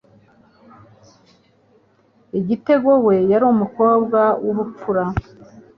Igitego we yari umukobwa w'ubupfura